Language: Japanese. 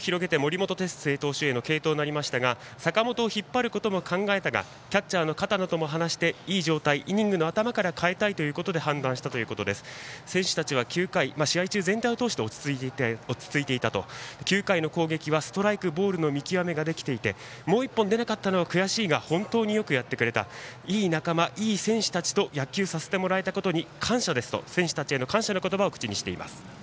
リードを広げた森本哲星投手への継投となりましたが坂本を引っ張ることも考えたがキャッチャーの片野とも話してイニングの頭から代えたいと判断した選手は試合全体を通して落ち着いていたと９回の攻撃はストライクとボールの見極めができていてもう１本出なかったのは悔しいが本当によくやってくれたいい仲間、いいチームで野球をさせてもらって感謝ですと、選手たちへの感謝の言葉を口にしています。